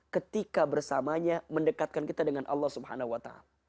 ketika bersamanya mendekatkan kita dengan allah swt